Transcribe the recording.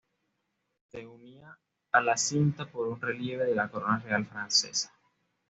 Se unía a la cinta por un relieve de la corona real francesa.